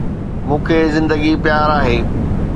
مون کي زندگي پيار آهي